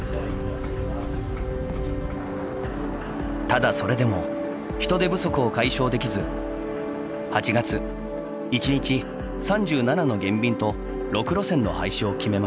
ただそれでも人手不足を解消できず８月１日３７の減便と６路線の廃止を決めました。